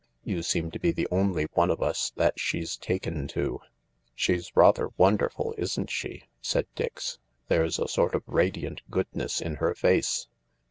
You seem to be the only one of us that she's taken to." " She's rather wonderful, isn't she ?" said Dix. " There's a sort of radiant goodness in her face."